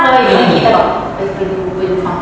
ตัวเมกิตใครเอา